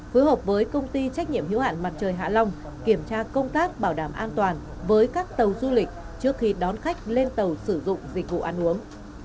phối hợp với công ty trách nhiệm hữu hạn mặt trời hạ long kiểm tra công tác bảo đảm an toàn với các tàu du lịch trước khi đón khách lên tàu sử dụng dịch vụ ăn uống